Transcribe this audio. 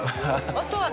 あとは。